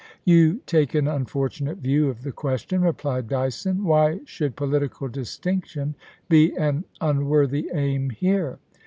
* You take an unfortunate view of the question,' replied Dyson. * Why should political distinction be an unworthy aim here?